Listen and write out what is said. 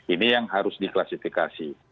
ini yang harus diklasifikasi